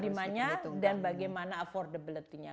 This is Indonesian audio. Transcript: dimana demand nya dan bagaimana affordability nya